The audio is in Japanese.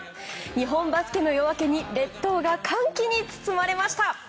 日本バスケの夜明けに列島が歓喜に包まれました。